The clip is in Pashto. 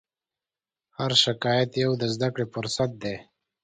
هر شکایت یو د زدهکړې فرصت دی.